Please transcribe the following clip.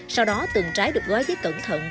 sau đó từng trái được gói dưới cẩn thận